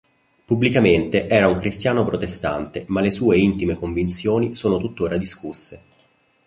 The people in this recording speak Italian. Pubblicamente era un cristiano protestante, ma le sue intime convinzioni sono tuttora discusse.